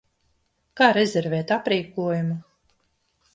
Kā rezervēt aprīkojumu?